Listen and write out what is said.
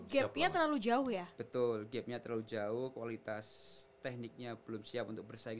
gapnya terlalu jauh ya betul gapnya terlalu jauh kualitas tekniknya belum siap untuk bersaing